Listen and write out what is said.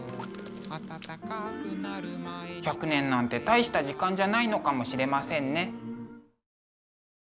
１００年なんて大した時間じゃないのかもしれませんね。